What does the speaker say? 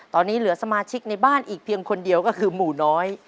ตอนนี้เหลือสมาชิกในบ้านอีกเพียงคนเดียวก็คือหมู่น้อย